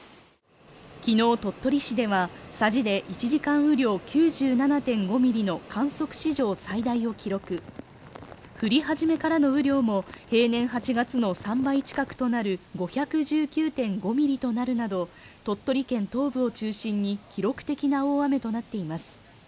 きのう鳥取市では佐治で１時間雨量９７．５ミリの観測史上最大を記録降り始めからの雨量も平年８月の３倍近くとなる５１９．５ミリとなるなど鳥取県東部を中心に記録的な大雨となっています